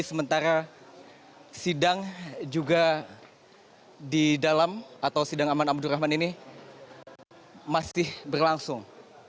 sementara sidang juga di dalam atau sidang aman abdurrahman ini masih berlangsung